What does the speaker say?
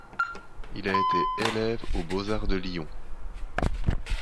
Il a été élève aux beaux-arts de Lyon.